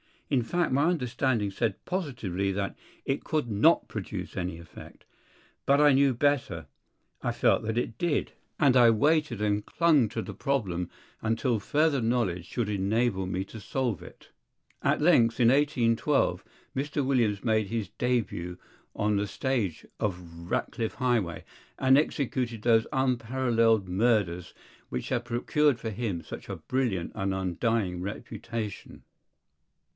In fact, my understanding said positively that it could not produce any effect. But I knew better; I felt that it did; and I waited and clung to the problem until further knowledge should enable me to solve it. At length, in 1812, Mr. Williams made his d├®but on the stage of Ratcliffe Highway, and executed those unparalleled murders which have procured for him such a brilliant and undying reputation.